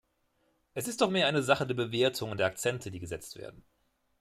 Es ist doch mehr eine Sache der Bewertung und der Akzente, die gesetzt werden.